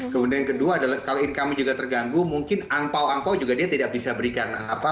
kemudian yang kedua adalah kalau income nya juga terganggu mungkin angpao angpao juga dia tidak bisa berikan apa